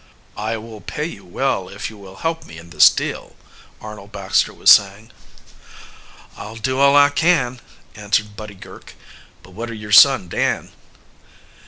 "I will pay you well if you will help me in this deal," Arnold Baxter was saying. "I'll do all I can," answered Buddy Girk. "But what of your son Dan?"